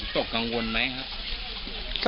ตกกังวลไหมครับ